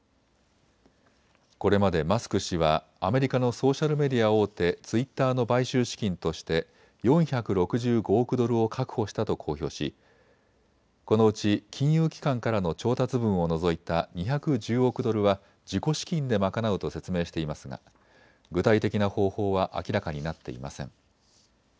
これまでマスク氏はアメリカのソーシャルメディア大手、ツイッターの買収資金として４６５億ドルを確保したと公表しこのうち金融機関からの調達分を除いた２１０億ドルは自己資金で賄うと説明していますが具体的な方法は明らかになっていません。